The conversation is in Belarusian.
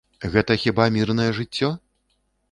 Гэта хіба мірнае жыццё?